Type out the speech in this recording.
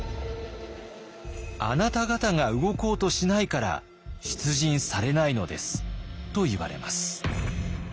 「あなた方が動こうとしないから出陣されないのです」と言われます。